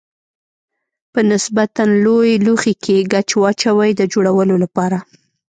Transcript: په نسبتا لوی لوښي کې ګچ واچوئ د جوړولو لپاره.